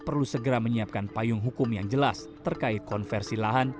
perlu segera menyiapkan payung hukum yang jelas terkait konversi lahan